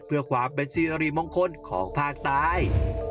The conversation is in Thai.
เพื่อความเป็นซีรีย์มงคลของภาคตาย